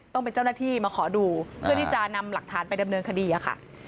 ต้องเป็นเจ้าหน้าที่มาขอดูเพื่อที่จะนำหลักฐานไปดำเนินคดีค่ะ